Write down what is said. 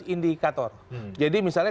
tujuh belas indikator jadi misalnya